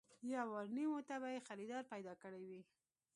يوارنيمو ته به يې خريدار پيدا کړی وي.